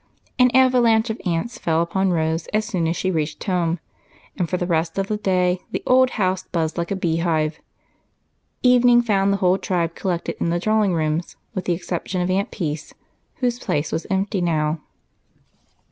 An avalanche of aunts fell upon Rose as soon as she reached home, and for the rest of the day the old house buzzed like a beehive. Evening found the whole tribe collected in the drawing rooms, with the exception of Aunt Peace, whose place was empty now.